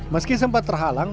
meski sempat terhalang